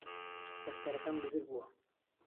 دەفتەرەکەم بزر بووە